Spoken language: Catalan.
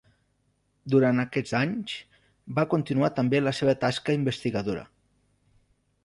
Durant aquests anys va continuar també la seva tasca investigadora.